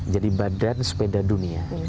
jadi badan sepeda dunia